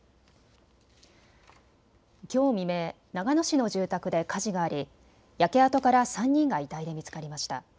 きょう未明、長野市の住宅で火事があり焼け跡から３人が遺体で見つかりました。